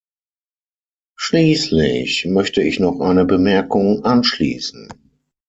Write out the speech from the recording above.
Schließlich möchte ich noch eine Bemerkung anschließen.